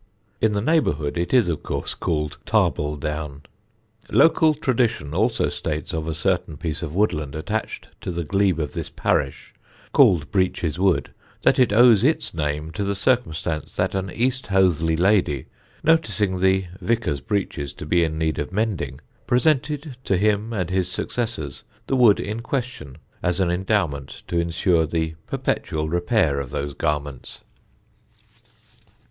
In the neighbourhood it is, of course, called Tarble Down. Local tradition also states of a certain piece of woodland attached to the glebe of this parish, called Breeches Wood, that it owes its name to the circumstance that an East Hoathly lady, noticing the vicar's breeches to be in need of mending, presented to him and his successors the wood in question as an endowment to ensure the perpetual repair of those garments.